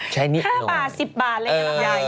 ใช้นิดนม๕๐๐๑๐๐บาทอะไรอย่างนั้น